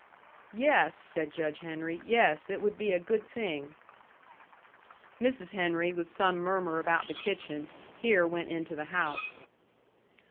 "Yes," said Judge Henry, "yes. It would be a good thing." Mrs. Henry, with some murmur about the kitchen, here went into the house.